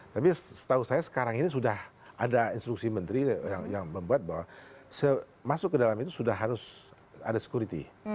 tapi setahu saya sekarang ini sudah ada instruksi menteri yang membuat bahwa masuk ke dalam itu sudah harus ada security